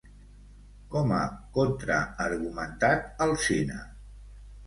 Com ha contraargumentat Alsina?